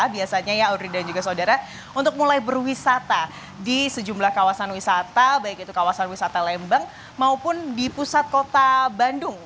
biasanya ya audrey dan juga saudara untuk mulai berwisata di sejumlah kawasan wisata baik itu kawasan wisata lembang maupun di pusat kota bandung